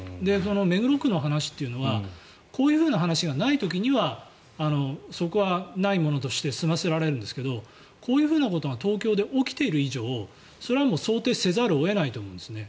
目黒区の話というのはこういうふうな話がない時はそこはないものとして済ませられるんですけどこういうふうなことが東京で起きている以上それはもう想定せざるを得ないと思うんですね。